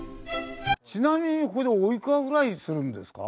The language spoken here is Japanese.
ちなみにこれでおいくらぐらいするんですか？